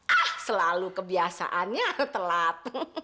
ah selalu kebiasaannya telat